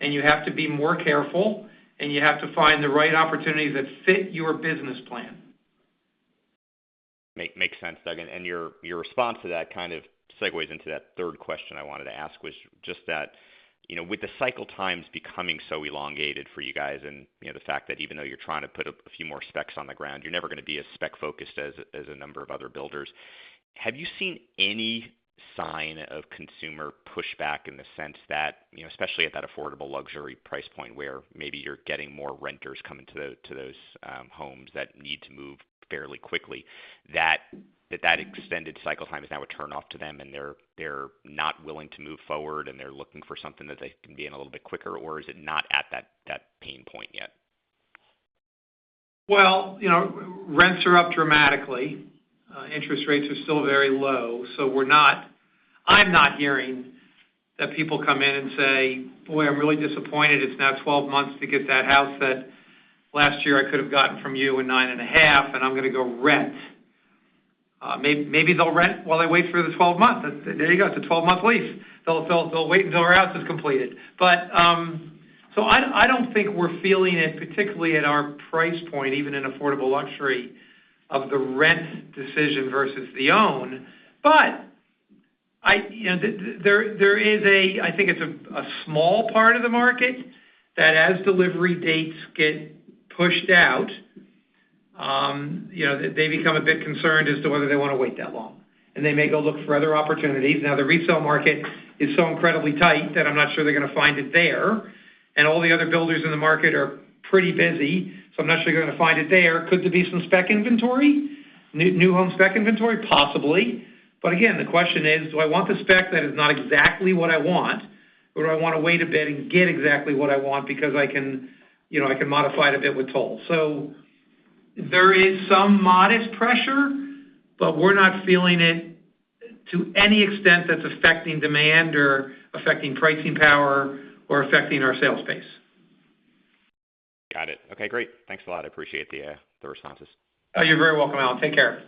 and you have to be more careful, and you have to find the right opportunities that fit your business plan. Makes sense, Doug. Your response to that kind of segues into that third question I wanted to ask, was just that, you know, with the cycle times becoming so elongated for you guys and, you know, the fact that even though you're trying to put a few more specs on the ground, you're never gonna be as spec-focused as a number of other builders. Have you seen any sign of consumer pushback in the sense that, you know, especially at that affordable luxury price point where maybe you're getting more renters coming to those homes that need to move fairly quickly, that extended cycle time is now a turn-off to them and they're not willing to move forward and they're looking for something that they can be in a little bit quicker, or is it not at that pain point yet? Well, you know, rents are up dramatically. Interest rates are still very low, so I'm not hearing that people come in and say, "Boy, I'm really disappointed it's now 12 months to get that house that last year I could have gotten from you in 9.5, and I'm gonna go rent." Maybe they'll rent while they wait for the 12 months. There you go, it's a 12-month lease. They'll wait until our house is completed. I don't think we're feeling it, particularly at our price point, even in affordable luxury, of the rent decision versus the own. But I, you know, there is a. I think it's a small part of the market that as delivery dates get pushed out, you know, they become a bit concerned as to whether they want to wait that long, and they may go look for other opportunities. Now, the resale market is so incredibly tight that I'm not sure they're going to find it there, and all the other builders in the market are pretty busy, so I'm not sure they're gonna find it there. Could there be some spec inventory, new home spec inventory? Possibly. But again, the question is, do I want the spec that is not exactly what I want, or do I want to wait a bit and get exactly what I want because I can, you know, I can modify it a bit with Toll? There is some modest pressure, but we're not feeling it to any extent that's affecting demand or affecting pricing power or affecting our sales pace. Got it. Okay, great. Thanks a lot. I appreciate the responses. Oh, you're very welcome, Alan. Take care.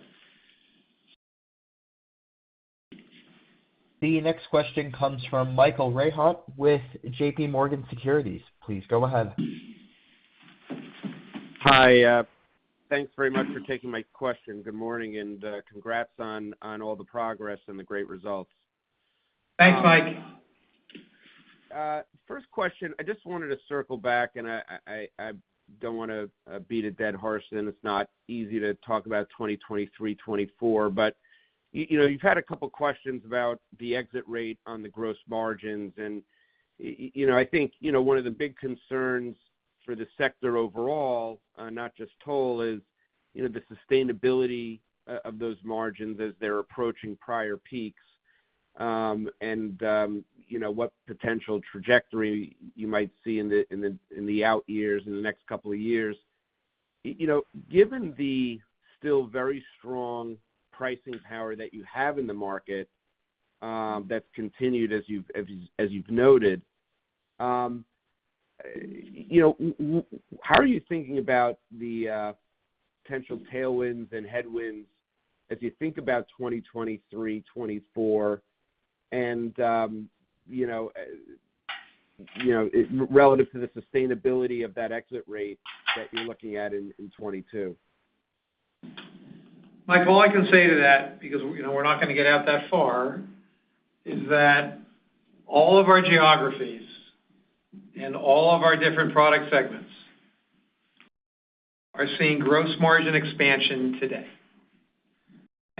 The next question comes from Michael Rehaut with J.P. Morgan Securities. Please go ahead. Hi. Thanks very much for taking my question. Good morning, and congrats on all the progress and the great results. Thanks, Mike. First question, I just wanted to circle back, and I don't wanna beat a dead horse, and it's not easy to talk about 2023, 2024, but you know, you've had a couple of questions about the exit rate on the gross margins. You know, I think you know, one of the big concerns for the sector overall, not just Toll, is you know, the sustainability of those margins as they're approaching prior peaks, and you know, what potential trajectory you might see in the out years, in the next couple of years. You know, given the still very strong pricing power that you have in the market, that's continued as you've noted, you know, how are you thinking about the potential tailwinds and headwinds as you think about 2023, 2024, and, you know, relative to the sustainability of that exit rate that you're looking at in 2022? Mike, all I can say to that, because, you know, we're not gonna get out that far, is that all of our geographies and all of our different product segments are seeing gross margin expansion today.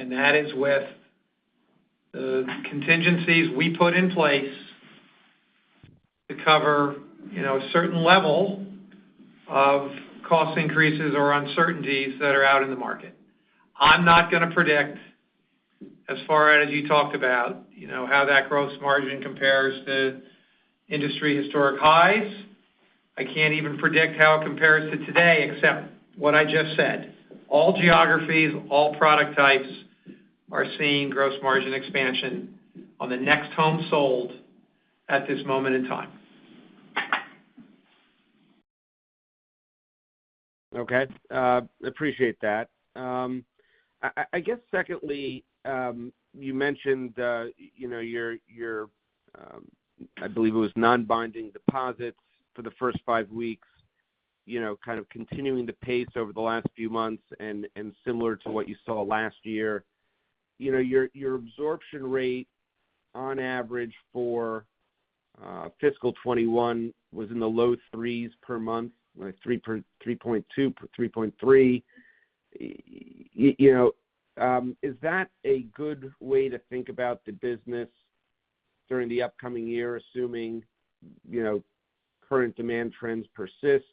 That is with the contingencies we put in place to cover, you know, a certain level of cost increases or uncertainties that are out in the market. I'm not gonna predict as far out as you talked about, you know, how that gross margin compares to industry historic highs. I can't even predict how it compares to today, except what I just said. All geographies, all product types are seeing gross margin expansion on the next home sold at this moment in time. Okay. Appreciate that. I guess secondly, you mentioned, you know, your I believe it was non-binding deposits for the first five weeks, you know, kind of continuing the pace over the last few months and similar to what you saw last year. You know, your absorption rate on average for fiscal 2021 was in the low threes per month, like 3.2, 3.3. You know, is that a good way to think about the business during the upcoming year, assuming, you know, current demand trends persist?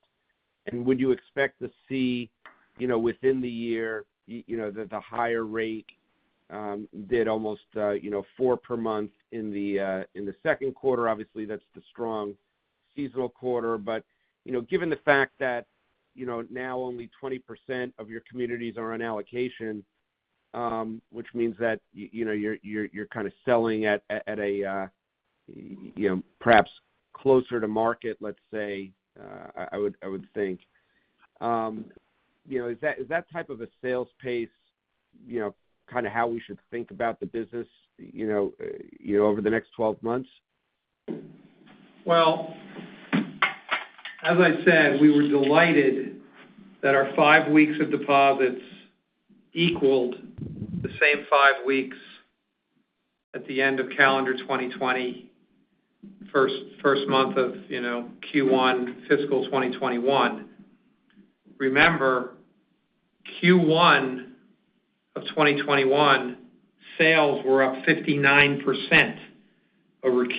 And would you expect to see, you know, within the year, you know, the higher rate hit almost four per month in the second quarter? Obviously, that's the strong seasonal quarter. You know, given the fact that, you know, now only 20% of your communities are on allocation, which means that you know, you're kind of selling at a you know, perhaps closer to market, let's say, I would think. You know, is that type of a sales pace, you know, kind of how we should think about the business, you know, over the next 12 months? Well, as I said, we were delighted that our five weeks of deposits equaled the same five weeks at the end of calendar 2020, first month of, you know, Q1 fiscal 2021. Remember, Q1 of 2021, sales were up 59% over Q1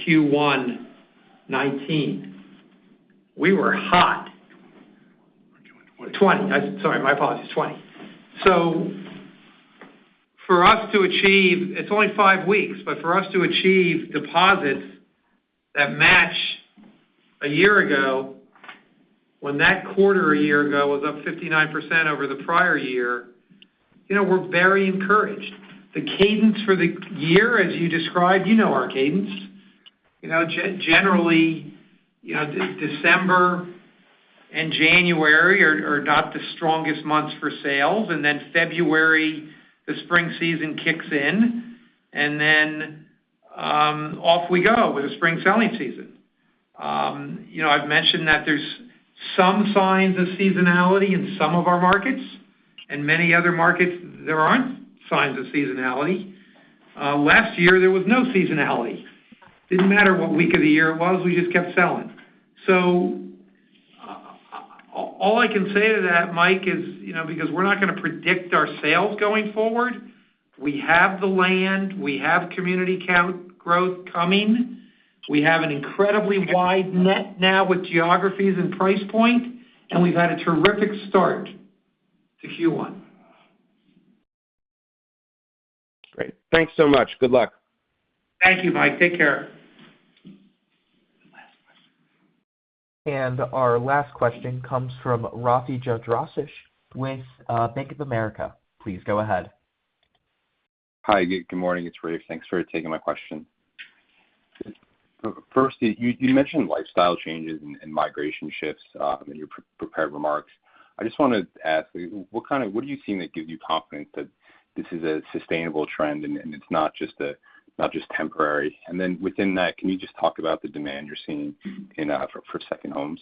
2019. We were hot. 2020. 20. Sorry, my apologies, 20. It's only five weeks, but for us to achieve deposits that match a year ago. When that quarter a year ago was up 59% over the prior year, you know, we're very encouraged. The cadence for the year, as you described, you know our cadence. You know, generally, you know, December and January are not the strongest months for sales. February, the spring season kicks in, and then, off we go with the spring selling season. You know, I've mentioned that there's some signs of seasonality in some of our markets, and many other markets there aren't signs of seasonality. Last year there was no seasonality. Didn't matter what week of the year it was, we just kept selling. All I can say to that, Mike, is, you know, because we're not gonna predict our sales going forward, we have the land, we have community count growth coming, we have an incredibly wide net now with geographies and price point, and we've had a terrific start to Q1. Great. Thanks so much. Good luck. Thank you, Mike. Take care. Our last question comes from Rafe Jadrosich with Bank of America. Please go ahead. Hi, good morning. It's Rafe. Thanks for taking my question. First, you mentioned lifestyle changes and migration shifts in your pre-prepared remarks. I just wanna ask, what are you seeing that gives you confidence that this is a sustainable trend and it's not just temporary? Within that, can you just talk about the demand you're seeing for second homes?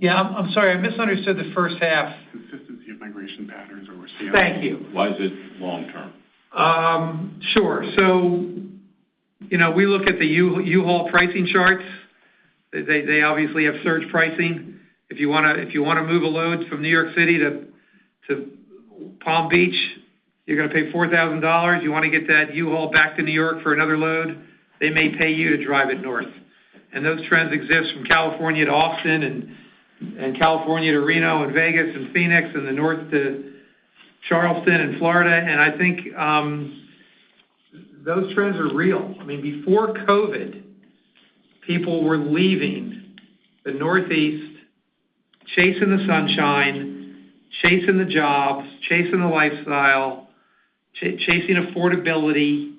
Yeah. I'm sorry, I misunderstood the first half. Consistency of migration patterns we're seeing. Thank you. Why is it long-term? Sure. You know, we look at the U-Haul pricing charts. They obviously have surge pricing. If you wanna move a load from New York City to Palm Beach, you're gonna pay $4,000. You wanna get that U-Haul back to New York for another load, they may pay you to drive it north. Those trends exist from California to Austin, and California to Reno, and Vegas, and Phoenix, and the north to Charleston and Florida. I think those trends are real. I mean, before COVID, people were leaving the Northeast, chasing the sunshine, chasing the jobs, chasing the lifestyle, chasing affordability.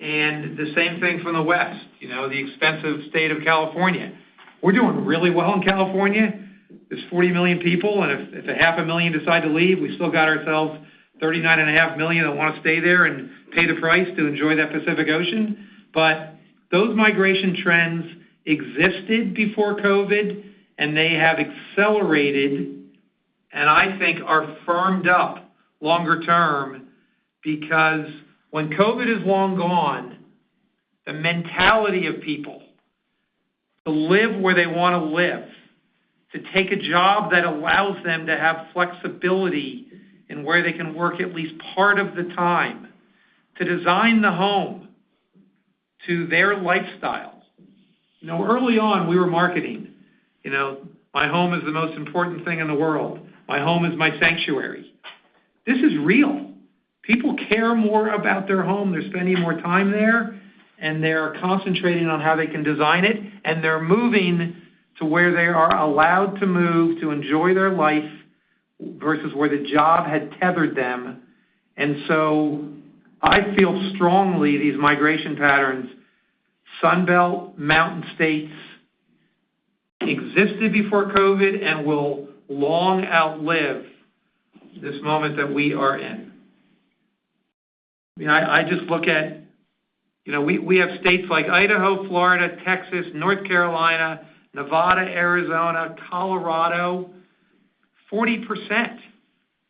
The same thing from the West, you know, the expensive state of California. We're doing really well in California. There's 40 million people, and if a half a million decide to leave, we still got ourselves 39.5 million that wanna stay there and pay the price to enjoy that Pacific Ocean. Those migration trends existed before COVID, and they have accelerated, and I think are firmed up longer-term. When COVID is long gone, the mentality of people to live where they wanna live, to take a job that allows them to have flexibility in where they can work at least part of the time, to design the home to their lifestyle. You know, early on, we were marketing, you know, my home is the most important thing in the world. My home is my sanctuary. This is real. People care more about their home. They're spending more time there, and they're concentrating on how they can design it, and they're moving to where they are allowed to move to enjoy their life versus where the job had tethered them. I feel strongly these migration patterns, Sun Belt, mountain states, existed before COVID and will long outlive this moment that we are in. I mean, I just look at, you know, we have states like Idaho, Florida, Texas, North Carolina, Nevada, Arizona, Colorado. 40%,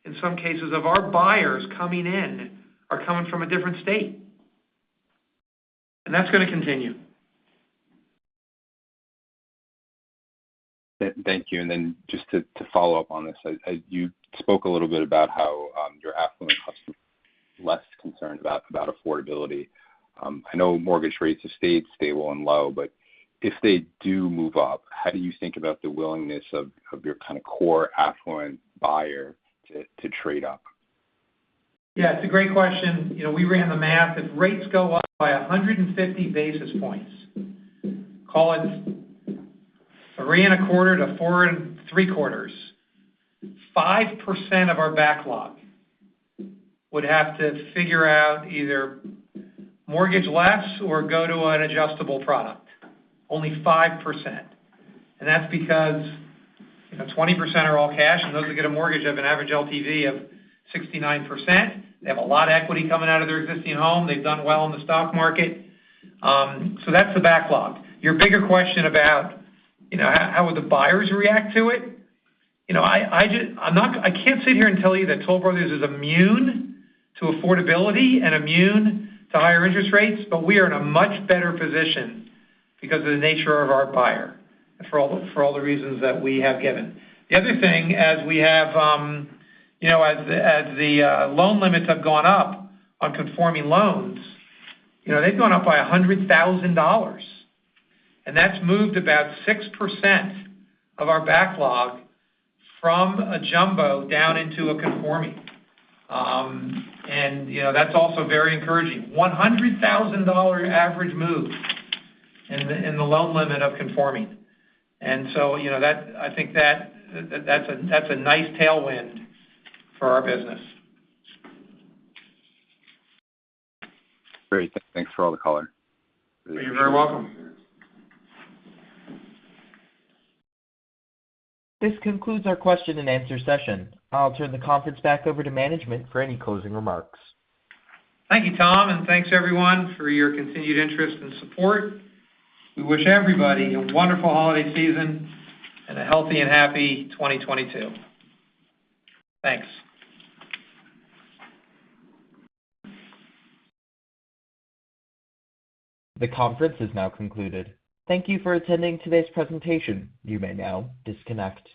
in some cases, of our buyers coming in are coming from a different state. That's gonna continue. Thank you. Then just to follow up on this, as you spoke a little bit about how your affluent customer is less concerned about affordability. I know mortgage rates have stayed stable and low, but if they do move up, how do you think about the willingness of your kind of core affluent buyer to trade up? Yeah, it's a great question. You know, we ran the math. If rates go up by 150 basis points, call it 3.25 to 4.75, 5% of our backlog would have to figure out either mortgage less or go to an adjustable product. Only 5%. That's because, you know, 20% are all cash, and those that get a mortgage have an average LTV of 69%. They have a lot of equity coming out of their existing home. They've done well in the stock market. So that's the backlog. Your bigger question about, you know, how would the buyers react to it? You know, I can't sit here and tell you that Toll Brothers is immune to affordability and immune to higher interest rates, but we are in a much better position because of the nature of our buyer for all the reasons that we have given. The other thing, you know, as the loan limits have gone up on conforming loans, they've gone up by $100,000. That's moved about 6% of our backlog from a jumbo down into a conforming. You know, that's also very encouraging. $100,000 average move in the loan limit of conforming. You know, I think that's a nice tailwind for our business. Great. Thanks for all the color. You're very welcome. This concludes our question-and-answer session. I'll turn the conference back over to management for any closing remarks. Thank you, Tom, and thanks everyone for your continued interest and support. We wish everybody a wonderful holiday season and a healthy and happy 2022. Thanks. The conference is now concluded. Thank you for attending today's presentation. You may now disconnect.